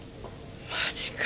マジか。